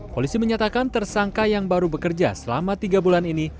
polisi menyatakan tersangka yang baru bekerja selama tiga bulan ini